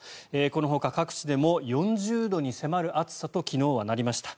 このほか、各地でも４０度に迫る暑さと昨日はなりました。